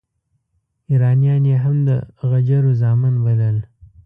ایرانیان یې هم د غجرو زامن بلل.